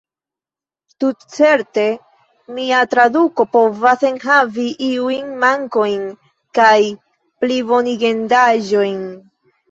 Tutcerte, mia traduko povas enhavi iujn mankojn kaj plibonigendaĵojn.